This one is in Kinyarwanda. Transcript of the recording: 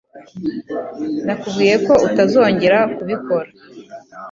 Nakubwiye ko utazongera kubikora.